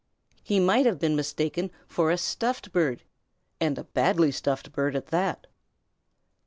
he might have been mistaken for a stuffed bird, and a badly stuffed bird at that.